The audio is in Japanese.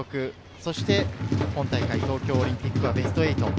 そして東京オリンピックはベスト８。